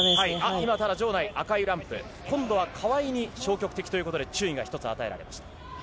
今、場内、赤いランプ、今度は川井に消極的ということで、注意が１つ与えられました。